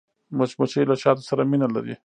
مچمچۍ له شاتو سره مینه لري